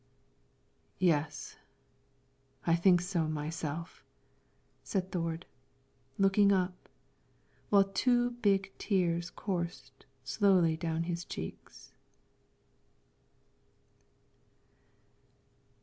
"Yes, I think so myself," said Thord, looking up, while two big tears coursed slowly down his cheeks.